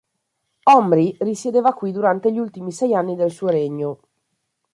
Omri risiedeva qui durante gli ultimi sei anni del suo regno.